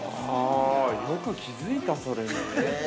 ◆よく、気づいた、それに。